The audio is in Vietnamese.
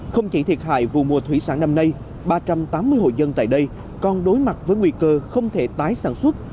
không chỉ thiệt hại vụ mùa thủy sản năm nay ba trăm tám mươi hội dân tại đây còn đối mặt với nguy cơ không thể tái sản xuất